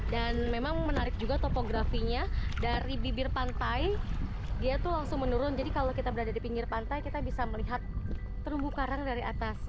di tempat saya berada ini sudah tidak terlihat lagi